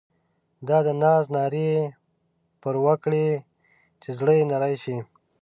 دا د ناز نارې یې پر وکړې چې زړه یې نری شي.